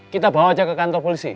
kita bawa aja ke kantor polisi